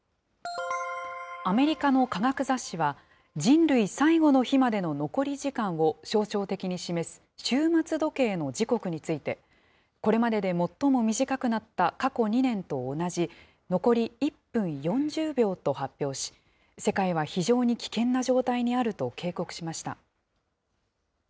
アメリカの科学雑誌は、人類最後の日までの残り時間を象徴的に示す、終末時計の時刻について、これまでで最も短くなった過去２年と同じ、残り１分４０秒と発表し、世界は非常に危険な状態にあると警告しました。